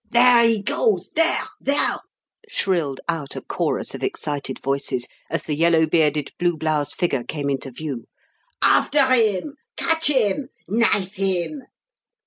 "There he goes there! there!" shrilled out a chorus of excited voices, as the yellow bearded, blue bloused figure came into view. "After him! Catch him! Knife him!"